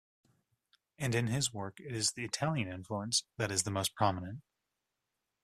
And in his work, it is the Italian influence, that is the most prominent.